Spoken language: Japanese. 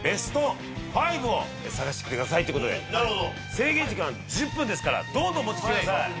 制限時間は１０分ですからどんどんお持ちください。